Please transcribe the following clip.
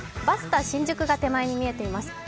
バスタ新宿が手前に見えています。